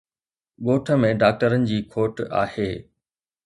ڳوٺ ۾ ڊاڪٽرن جي کوٽ آهي